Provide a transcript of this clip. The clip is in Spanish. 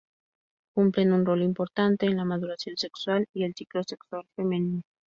Cumplen un rol importante en la maduración sexual y el ciclo sexual femenino.